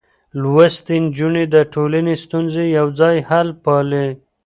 لوستې نجونې د ټولنې ستونزې يوځای حل پالي.